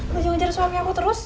lu jangan jadi suami aku terus